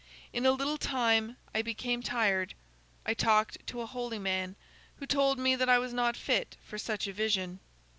In a little time I became tired. I talked to a holy man who told me that I was not fit for such a vision.